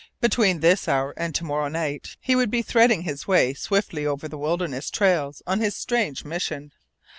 Between this hour and to morrow night he would be threading his way swiftly over the wilderness trails on his strange mission.